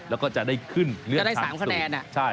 แล้วก็จะได้ขึ้นเลือดทางสุดใช่ก็ได้๓คะแนน